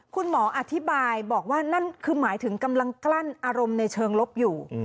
คุณหมออธิบายบอกว่านั่นคือหมายถึงกำลังกลั้นอารมณ์ในเชิงลบอยู่